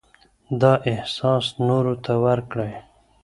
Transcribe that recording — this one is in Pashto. دا احساس نورو ته ورکړئ.